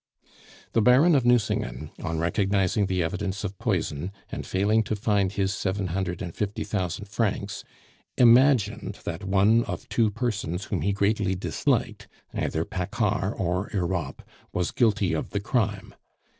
The Baron of Nucingen, on recognizing the evidence of poison, and failing to find his seven hundred and fifty thousand francs, imagined that one of two persons whom he greatly disliked either Paccard or Europe was guilty of the crime.